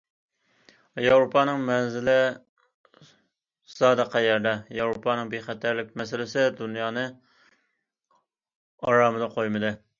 ياۋروپانىڭ مەنزىلى زادى قەيەردە؟ ياۋروپانىڭ بىخەتەرلىك مەسىلىسى دۇنيانى ئارامىدا قويمىدى.